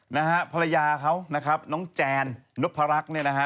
นะฮะภรรยาเขานะครับน้องแจนนพรักษ์เนี่ยนะฮะ